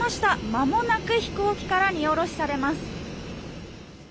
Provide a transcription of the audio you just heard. まもなく飛行機から荷下ろしされます。